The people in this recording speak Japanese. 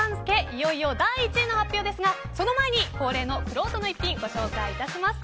いよいよ第１位の発表ですがその前に恒例のくろうとの逸品ご紹介します。